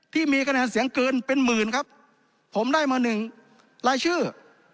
ที่มีคะแนนเสียงเกินเป็นหมื่นครับผมได้มาหนึ่งรายชื่อ